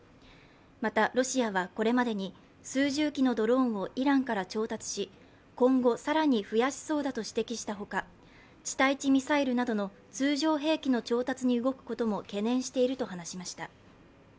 また、ロシアはこれまでに数十機のドローンをイランから調達し今後更に増やしそうだと指摘したほか、地対地ミサイルなどの通常兵器の調達に動くもことも懸念していると話しました。